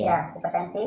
ya apa tensi